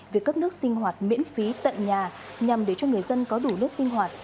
việc cấp nước sinh hoạt miễn phí tận nhà nhằm để cho người dân có đủ nước sinh hoạt